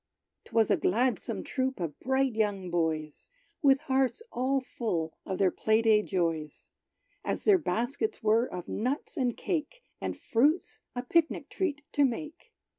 'Twas a gladsome troop of bright young boys, With hearts all full of their play day joys, As their baskets were of nuts and cake, And fruits, a pic nic treat to make.